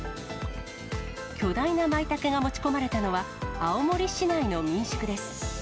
巨大なまいたけが持ち込まれたのは、青森市内の民宿です。